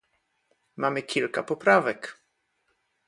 Mamy kilka poprawek